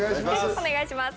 お願いします。